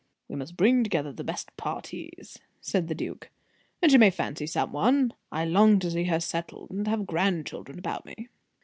"We must bring together the best partis," said the duke, "and she may fancy some one. I long to see her settled, and to have grandchildren about me."